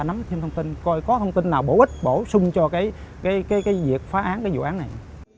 nắm thông tin coi có thông tin nào bổ ích bổ sung cho cái cái cái cái việc phá án cái dự án này